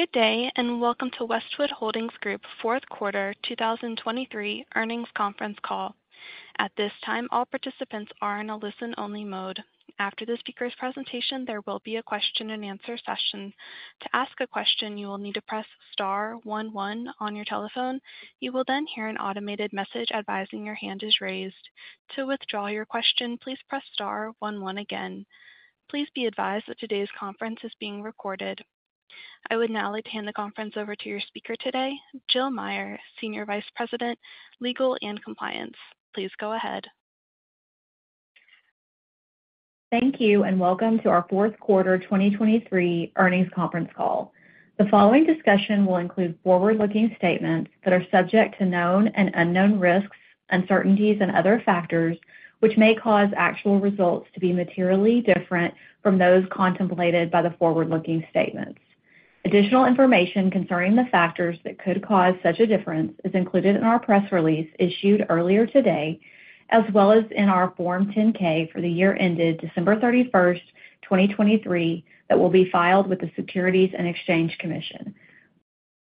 Good day and welcome to Westwood Holdings Group fourth quarter 2023 earnings conference call. At this time, all participants are in a listen-only mode. After the speaker's presentation, there will be a question-and-answer session. To ask a question, you will need to press star 11 on your telephone. You will then hear an automated message advising your hand is raised. To withdraw your question, please press star 11 again. Please be advised that today's conference is being recorded. I would now like to hand the conference over to your speaker today, Jill Meyer, Senior Vice President, Legal and Compliance. Please go ahead. Thank you and welcome to our fourth quarter 2023 earnings conference call. The following discussion will include forward-looking statements that are subject to known and unknown risks, uncertainties, and other factors which may cause actual results to be materially different from those contemplated by the forward-looking statements. Additional information concerning the factors that could cause such a difference is included in our press release issued earlier today, as well as in our Form 10-K for the year ended December 31st, 2023, that will be filed with the Securities and Exchange Commission.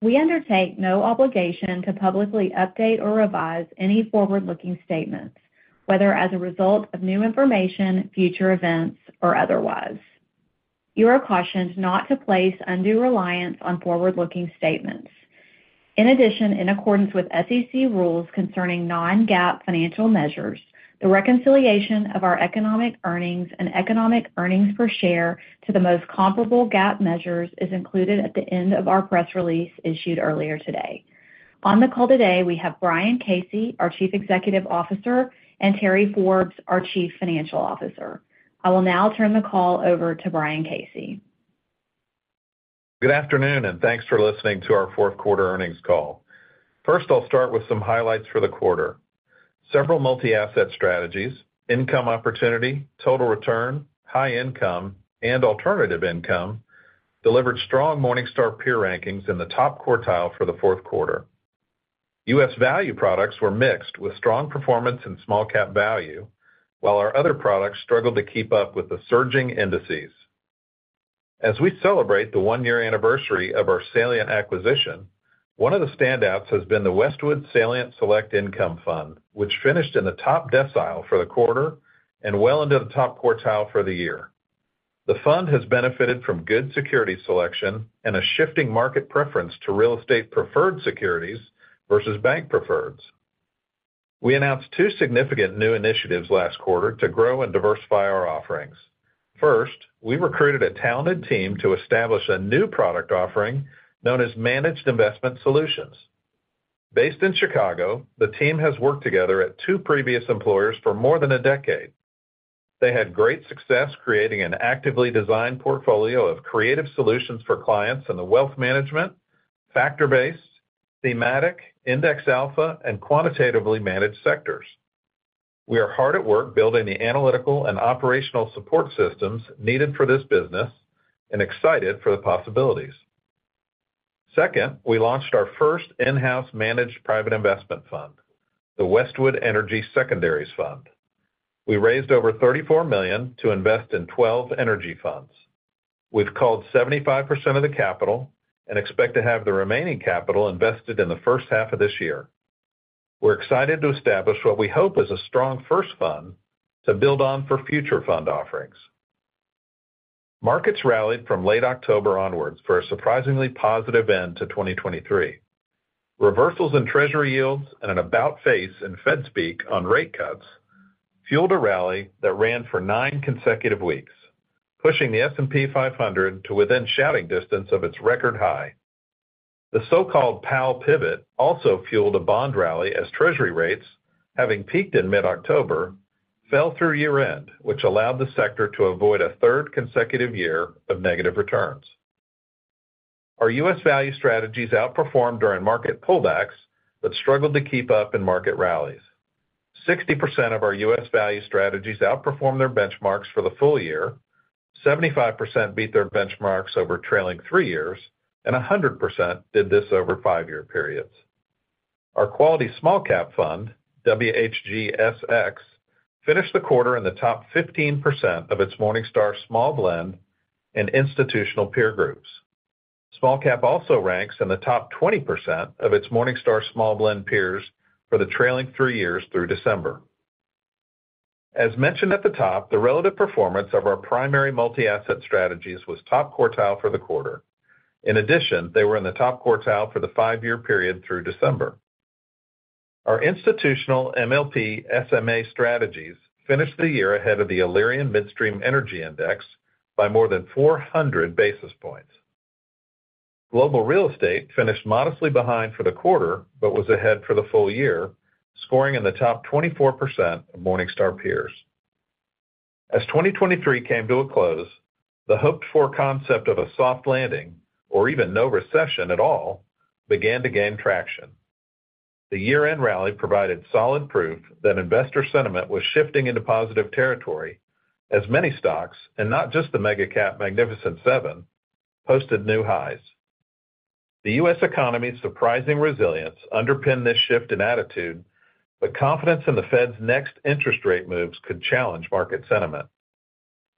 We undertake no obligation to publicly update or revise any forward-looking statements, whether as a result of new information, future events, or otherwise. You are cautioned not to place undue reliance on forward-looking statements. In addition, in accordance with SEC rules concerning non-GAAP financial measures, the reconciliation of our economic earnings and economic earnings per share to the most comparable GAAP measures is included at the end of our press release issued earlier today. On the call today, we have Brian Casey, our Chief Executive Officer, and Terry Forbes, our Chief Financial Officer. I will now turn the call over to Brian Casey. Good afternoon and thanks for listening to our fourth quarter earnings call. First, I'll start with some highlights for the quarter. Several Multi-Asset strategies, Income Opportunity, Total Return, High Income, and Alternative Income delivered strong Morningstar Peer Rankings in the top quartile for the fourth quarter. U.S. value products were mixed with strong performance in small-cap value, while our other products struggled to keep up with the surging indices. As we celebrate the one-year anniversary of our Salient acquisition, one of the standouts has been the Westwood Salient Select Income Fund, which finished in the top decile for the quarter and well into the top quartile for the year. The fund has benefited from good security selection and a shifting market preference to real estate preferred securities versus bank preferreds. We announced two significant new initiatives last quarter to grow and diversify our offerings. First, we recruited a talented team to establish a new product offering known as Managed Investment Solutions. Based in Chicago, the team has worked together at two previous employers for more than a decade. They had great success creating an actively designed portfolio of creative solutions for clients in the wealth management, factor-based, thematic, index alpha, and quantitatively managed sectors. We are hard at work building the analytical and operational support systems needed for this business and excited for the possibilities. Second, we launched our first in-house managed private investment fund, the Westwood Energy Secondaries Fund. We raised over $34 million to invest in 12 energy funds. We've called 75% of the capital and expect to have the remaining capital invested in the first half of this year. We're excited to establish what we hope is a strong first fund to build on for future fund offerings. Markets rallied from late October onwards for a surprisingly positive end to 2023. Reversals in Treasury yields and an about-face in Fed speak on rate cuts fueled a rally that ran for nine consecutive weeks, pushing the S&P 500 to within shouting distance of its record high. The so-called Powell pivot also fueled a bond rally as Treasury rates, having peaked in mid-October, fell through year-end, which allowed the sector to avoid a third consecutive year of negative returns. Our U.S. value strategies outperformed during market pullbacks but struggled to keep up in market rallies. 60% of our U.S. value strategies outperformed their benchmarks for the full year, 75% beat their benchmarks over trailing three years, and 100% did this over five-year periods. Our quality small-cap fund, WHGSX, finished the quarter in the top 15% of its Morningstar Small Blend and institutional peer groups. Small-cap also ranks in the top 20% of its Morningstar Small Blend peers for the trailing three years through December. As mentioned at the top, the relative performance of our primary multi-asset strategies was top quartile for the quarter. In addition, they were in the top quartile for the five-year period through December. Our institutional MLP/SMA strategies finished the year ahead of the Alerian Midstream Energy Index by more than 400 basis points. Global real estate finished modestly behind for the quarter but was ahead for the full year, scoring in the top 24% of Morningstar peers. As 2023 came to a close, the hoped-for concept of a soft landing or even no recession at all began to gain traction. The year-end rally provided solid proof that investor sentiment was shifting into positive territory as many stocks, and not just the mega-cap Magnificent Seven, posted new highs. The U.S. economy's surprising resilience underpinned this shift in attitude, but confidence in the Fed's next interest rate moves could challenge market sentiment.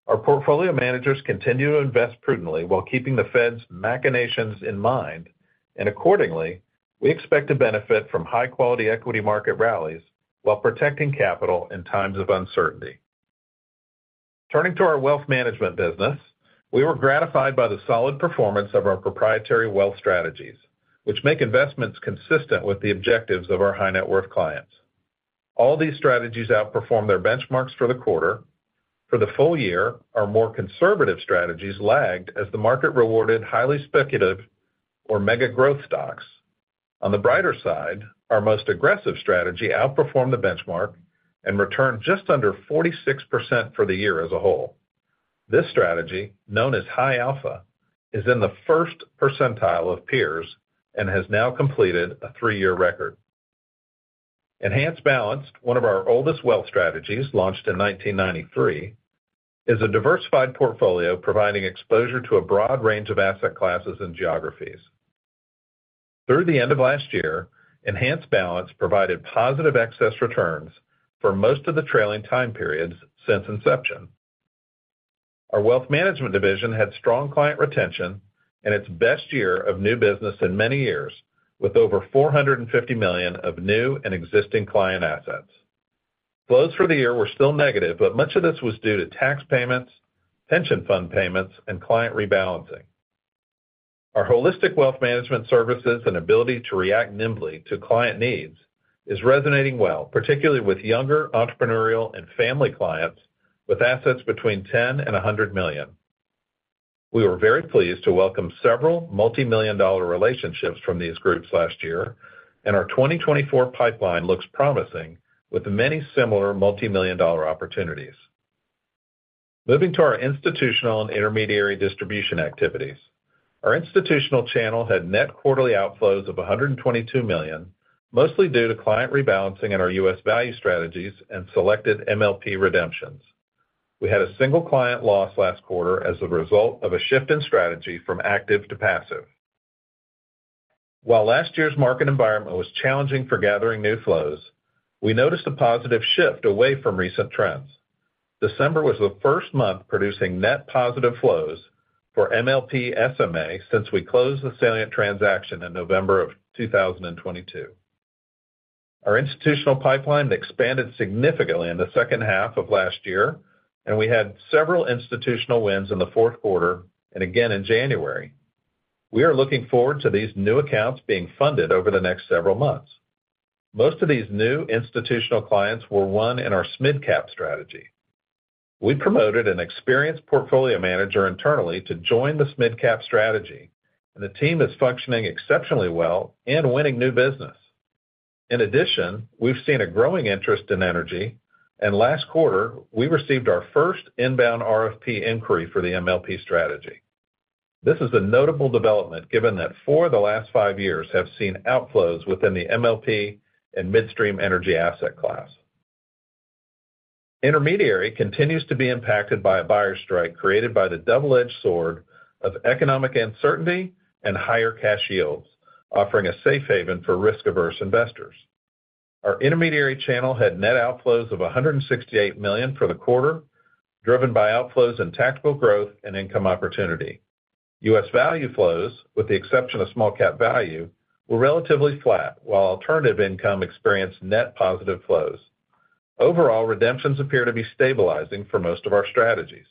Our portfolio managers continue to invest prudently while keeping the Fed's machinations in mind, and accordingly, we expect to benefit from high-quality equity market rallies while protecting capital in times of uncertainty. Turning to our wealth management business, we were gratified by the solid performance of our proprietary wealth strategies, which make investments consistent with the objectives of our high-net-worth clients. All these strategies outperformed their benchmarks for the quarter. For the full year, our more conservative strategies lagged as the market rewarded highly speculative or mega-growth stocks. On the brighter side, our most aggressive strategy outperformed the benchmark and returned just under 46% for the year as a whole. This strategy, known as High Alpha, is in the first percentile of peers and has now completed a three-year record. Enhanced Balance, one of our oldest wealth strategies launched in 1993, is a diversified portfolio providing exposure to a broad range of asset classes and geographies. Through the end of last year, Enhanced Balance provided positive excess returns for most of the trailing time periods since inception. Our wealth management division had strong client retention and its best year of new business in many years, with over $450 million of new and existing client assets. Flows for the year were still negative, but much of this was due to tax payments, pension fund payments, and client rebalancing. Our holistic wealth management services and ability to react nimbly to client needs is resonating well, particularly with younger entrepreneurial and family clients with assets between $10 million and $100 million. We were very pleased to welcome several multimillion-dollar relationships from these groups last year, and our 2024 pipeline looks promising with many similar multimillion-dollar opportunities. Moving to our institutional and intermediary distribution activities, our institutional channel had net quarterly outflows of $122 million, mostly due to client rebalancing in our U.S. value strategies and selected MLP redemptions. We had a single client loss last quarter as a result of a shift in strategy from active to passive. While last year's market environment was challenging for gathering new flows, we noticed a positive shift away from recent trends. December was the first month producing net positive flows for MLP/SMA since we closed the Salient transaction in November of 2022. Our institutional pipeline expanded significantly in the second half of last year, and we had several institutional wins in the fourth quarter and again in January. We are looking forward to these new accounts being funded over the next several months. Most of these new institutional clients were won in our SMID Cap Strategy. We promoted an experienced portfolio manager internally to join the SMID Cap Strategy, and the team is functioning exceptionally well and winning new business. In addition, we've seen a growing interest in energy, and last quarter, we received our first inbound RFP inquiry for the MLP strategy. This is a notable development given that four of the last five years have seen outflows within the MLP and Midstream Energy asset class. Intermediary continues to be impacted by a buyer strike created by the double-edged sword of economic uncertainty and higher cash yields, offering a safe haven for risk-averse investors. Our intermediary channel had net outflows of $168 million for the quarter, driven by outflows in tactical growth and Income Opportunity. U.S. value flows, with the exception of small-cap value, were relatively flat, while Alternative Income experienced net positive flows. Overall, redemptions appear to be stabilizing for most of our strategies.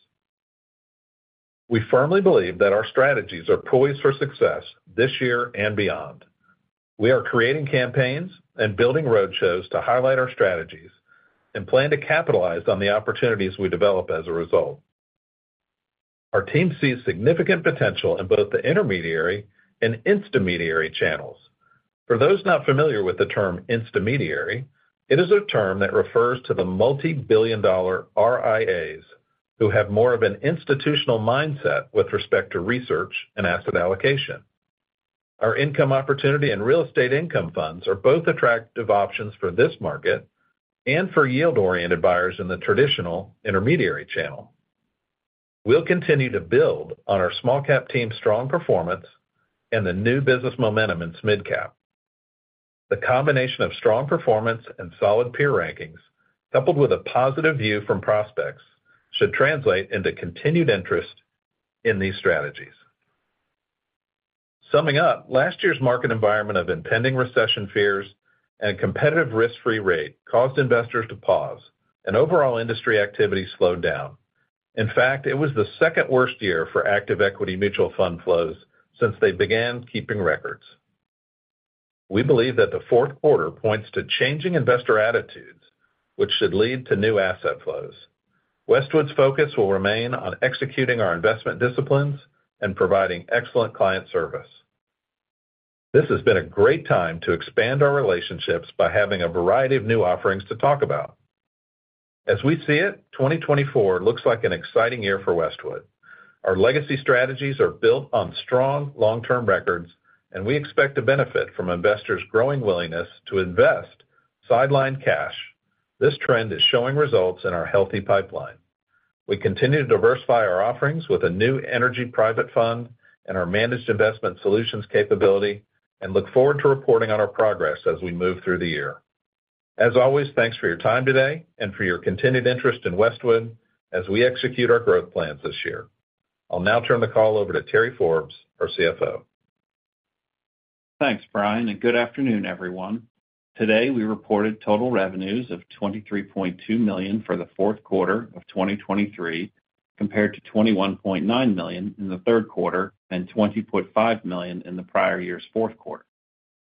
We firmly believe that our strategies are poised for success this year and beyond. We are creating campaigns and building roadshows to highlight our strategies and plan to capitalize on the opportunities we develop as a result. Our team sees significant potential in both the intermediary and intermediary channels. For those not familiar with the term intermediary, it is a term that refers to the multi-billion dollar RIAs who have more of an institutional mindset with respect to research and asset allocation. Our Income Opportunity and real estate income funds are both attractive options for this market and for yield-oriented buyers in the traditional intermediary channel. We'll continue to build on our small-cap team's strong performance and the new business momentum in SMID Cap. The combination of strong performance and solid peer rankings, coupled with a positive view from prospects, should translate into continued interest in these strategies. Summing up, last year's market environment of impending recession fears and a competitive risk-free rate caused investors to pause, and overall industry activity slowed down. In fact, it was the second worst year for active equity mutual fund flows since they began keeping records. We believe that the fourth quarter points to changing investor attitudes, which should lead to new asset flows. Westwood's focus will remain on executing our investment disciplines and providing excellent client service. This has been a great time to expand our relationships by having a variety of new offerings to talk about. As we see it, 2024 looks like an exciting year for Westwood. Our legacy strategies are built on strong long-term records, and we expect to benefit from investors' growing willingness to invest sidelined cash. This trend is showing results in our healthy pipeline. We continue to diversify our offerings with a new energy private fund and our Managed Investment Solutions capability and look forward to reporting on our progress as we move through the year. As always, thanks for your time today and for your continued interest in Westwood as we execute our growth plans this year. I'll now turn the call over to Terry Forbes, our CFO. Thanks, Brian, and good afternoon, everyone. Today, we reported total revenues of $23.2 million for the fourth quarter of 2023 compared to $21.9 million in the third quarter and $20.5 million in the prior year's fourth quarter.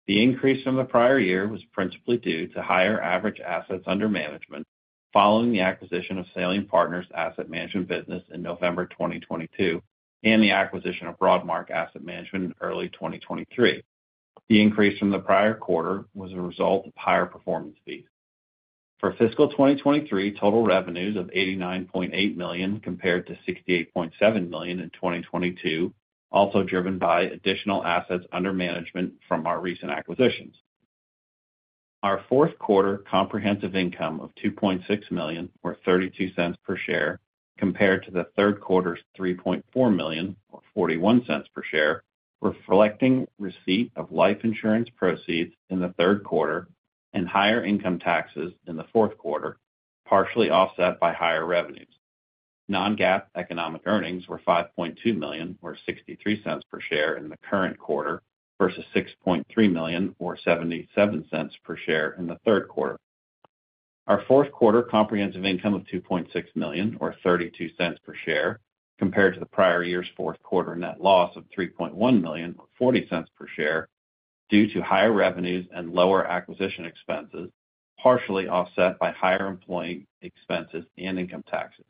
The increase from the prior year was principally due to higher average assets under management following the acquisition of Salient Partners asset management business in November 2022 and the acquisition of Broadmark Asset Management in early 2023. The increase from the prior quarter was a result of higher performance fees. For fiscal 2023, total revenues of $89.8 million compared to $68.7 million in 2022, also driven by additional assets under management from our recent acquisitions. Our fourth quarter comprehensive income of $2.6 million or $0.32 per share compared to the third quarter's $3.4 million or $0.41 per share reflected a receipt of life insurance proceeds in the third quarter and higher income taxes in the fourth quarter, partially offset by higher revenues. Non-GAAP Economic Earnings were $5.2 million or $0.63 per share in the current quarter versus $6.3 million or $0.77 per share in the third quarter. Our fourth quarter comprehensive income of $2.6 million or $0.32 per share compared to the prior year's fourth quarter net loss of $3.1 million or $0.40 per share due to higher revenues and lower acquisition expenses, partially offset by higher employee expenses and income taxes.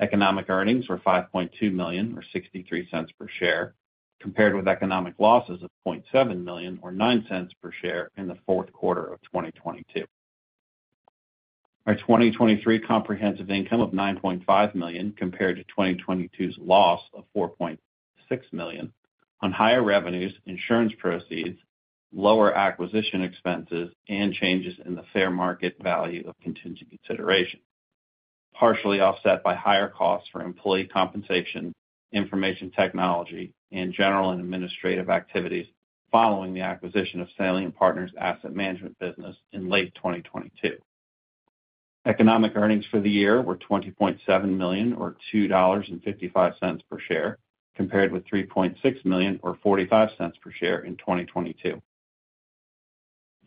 Economic earnings were $5.2 million or $0.63 per share compared with economic losses of $0.7 million or $0.09 per share in the fourth quarter of 2022. Our 2023 comprehensive income of $9.5 million compared to 2022's loss of $4.6 million on higher revenues, insurance proceeds, lower acquisition expenses, and changes in the fair market value of contingent considerations, partially offset by higher costs for employee compensation, information technology, and general and administrative activities following the acquisition of Salient Partners asset management business in late 2022. Economic earnings for the year were $20.7 million or $2.55 per share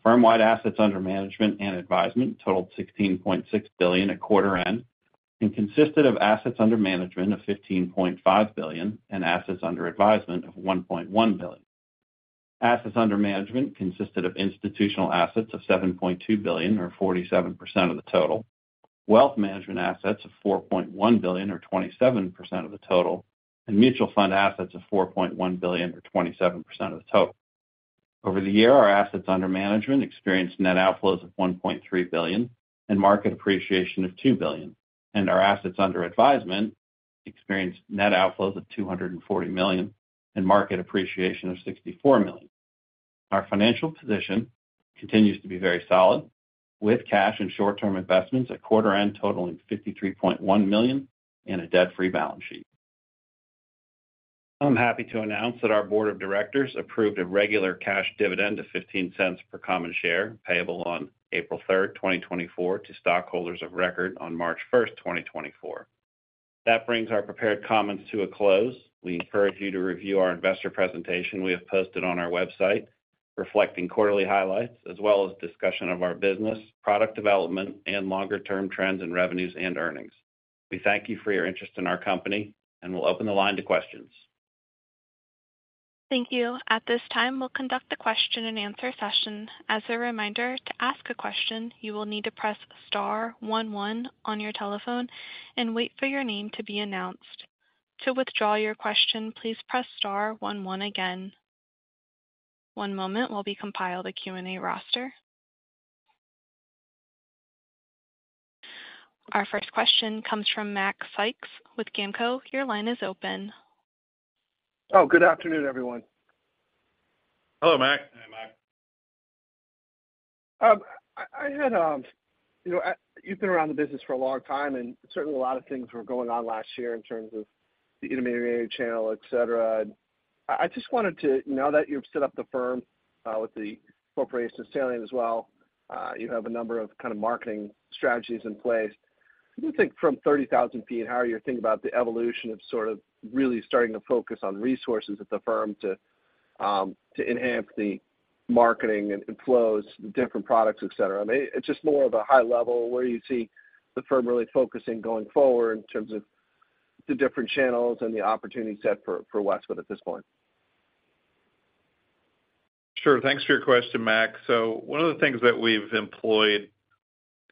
compared with $3.6 million or $0.45 per share in 2022. Firm-wide assets under management and advisement totaled $16.6 billion at quarter end and consisted of assets under management of $15.5 billion and assets under advisement of $1.1 billion. Assets under management consisted of institutional assets of $7.2 billion or 47% of the total, wealth management assets of $4.1 billion or 27% of the total, and mutual fund assets of $4.1 billion or 27% of the total. Over the year, our assets under management experienced net outflows of $1.3 billion and market appreciation of $2 billion, and our assets under advisement experienced net outflows of $240 million and market appreciation of $64 million. Our financial position continues to be very solid, with cash and short-term investments at quarter end totaling $53.1 million and a debt-free balance sheet. I'm happy to announce that our board of directors approved a regular cash dividend of $0.15 per common share payable on April 3rd, 2024, to stockholders of record on March 1st, 2024. That brings our prepared comments to a close. We encourage you to review our investor presentation we have posted on our website reflecting quarterly highlights as well as discussion of our business, product development, and longer-term trends in revenues and earnings. We thank you for your interest in our company, and we'll open the line to questions. Thank you. At this time, we'll conduct the question-and-answer session. As a reminder, to ask a question, you will need to press star 11 on your telephone and wait for your name to be announced. To withdraw your question, please press star 11 again. One moment, we'll be compiling the Q&A roster. Our first question comes from Mac Sykes with GAMCO. Your line is open. Oh, good afternoon, everyone. Hello, Mac. Hi, Mac. I have, you've been around the business for a long time, and certainly a lot of things were going on last year in terms of the intermediary channel, etc. And I just wanted to know that you've set up the firm with the acquisition of Salient as well, you have a number of kind of marketing strategies in place. I do think from 30,000 feet, how are you thinking about the evolution of sort of really starting to focus on resources at the firm to enhance the marketing and flows, the different products, etc.? I mean, it's just more of a high level. Where do you see the firm really focusing going forward in terms of the different channels and the opportunity set for Westwood at this point? Sure. Thanks for your question, Mac. So one of the things that we've employed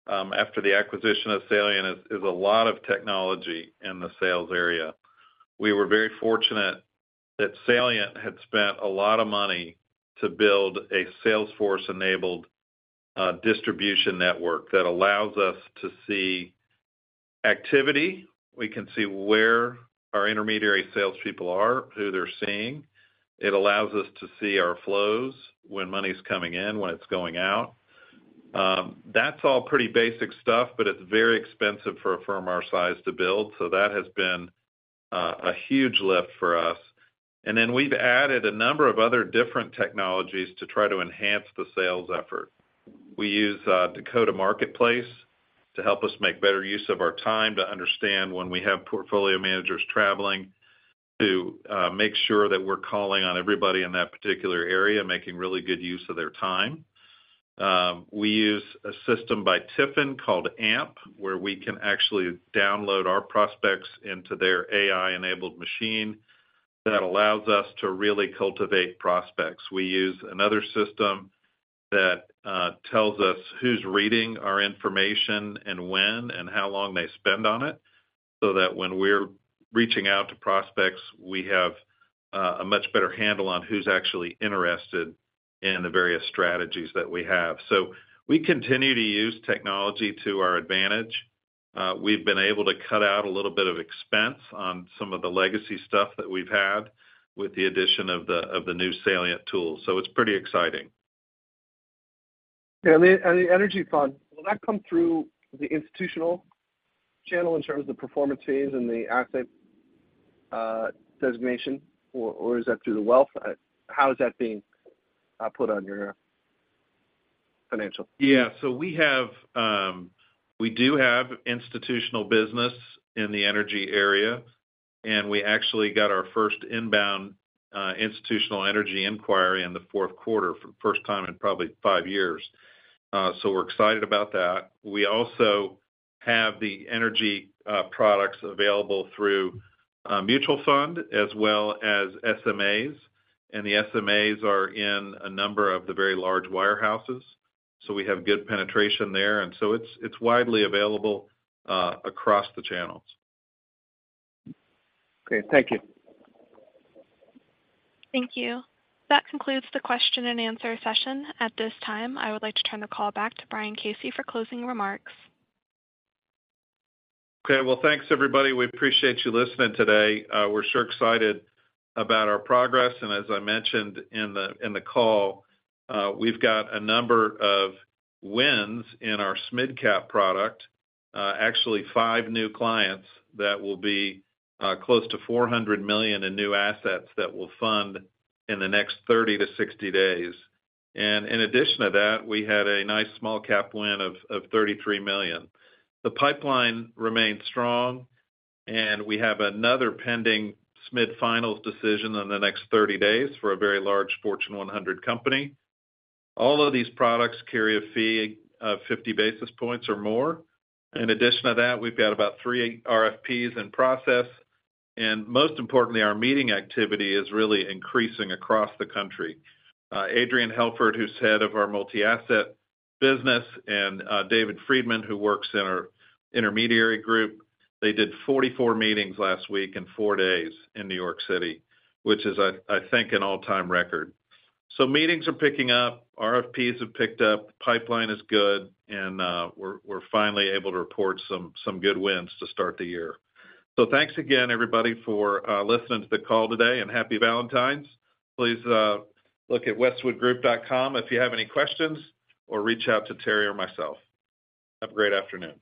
after the acquisition of Salient is a lot of technology in the sales area. We were very fortunate that Salient had spent a lot of money to build a Salesforce-enabled distribution network that allows us to see activity. We can see where our intermediary salespeople are, who they're seeing. It allows us to see our flows when money's coming in, when it's going out. That's all pretty basic stuff, but it's very expensive for a firm our size to build, so that has been a huge lift for us. And then we've added a number of other different technologies to try to enhance the sales effort. We use Dakota Marketplace to help us make better use of our time to understand when we have portfolio managers traveling to make sure that we're calling on everybody in that particular area and making really good use of their time. We use a system by TIFIN called AMP, where we can actually download our prospects into their AI-enabled machine that allows us to really cultivate prospects. We use another system that tells us who's reading our information and when and how long they spend on it so that when we're reaching out to prospects, we have a much better handle on who's actually interested in the various strategies that we have. So we continue to use technology to our advantage. We've been able to cut out a little bit of expense on some of the legacy stuff that we've had with the addition of the new Salient tools. It's pretty exciting. The energy fund, will that come through the institutional channel in terms of the performance fees and the asset designation, or is that through the wealth? How is that being put on your financial? Yeah. So we do have institutional business in the energy area, and we actually got our first inbound institutional energy inquiry in the fourth quarter for the first time in probably five years. So we're excited about that. We also have the energy products available through a mutual fund as well as SMAs. And the SMAs are in a number of the very large wirehouses, so we have good penetration there. And so it's widely available across the channels. Okay. Thank you. Thank you. That concludes the question-and-answer session. At this time, I would like to turn the call back to Brian Casey for closing remarks. Okay. Well, thanks, everybody. We appreciate you listening today. We're sure excited about our progress. As I mentioned in the call, we've got a number of wins in our SMID Cap product, actually five new clients that will be close to $400 million in new assets that will fund in the next 30-60 days. In addition to that, we had a nice small-cap win of $33 million. The pipeline remains strong, and we have another pending SMID finals decision in the next 30 days for a very large Fortune 100 company. All of these products carry a fee of 50 basis points or more. In addition to that, we've got about three RFPs in process. Most importantly, our meeting activity is really increasing across the country. Adrian Helfert, who's head of our multi-asset business, and David Friedman, who works in our intermediary group, they did 44 meetings last week in four days in New York City, which is, I think, an all-time record. So meetings are picking up. RFPs have picked up. The pipeline is good, and we're finally able to report some good wins to start the year. So thanks again, everybody, for listening to the call today, and happy Valentine's. Please look at westwoodgroup.com if you have any questions or reach out to Terry or myself. Have a great afternoon.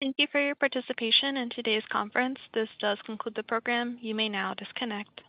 Thank you for your participation in today's conference. This does conclude the program. You may now disconnect.